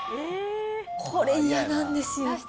これ、嫌なんです。